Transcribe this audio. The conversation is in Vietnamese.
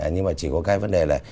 nhưng mà chỉ có cái vấn đề là